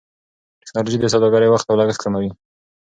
ټکنالوژي د سوداګرۍ وخت او لګښت کموي.